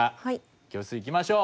教室行きましょう。